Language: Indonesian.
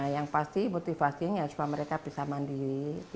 yang pasti motivasinya supaya mereka bisa mandiri